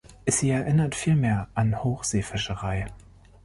Sie erinnert vielmehr an Hochseefischerei.